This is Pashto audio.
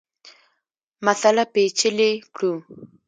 مسأله پېچلې کړو.